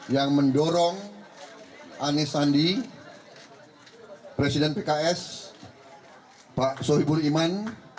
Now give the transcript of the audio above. yang mendorong anies sandi presiden pks pak soebul iman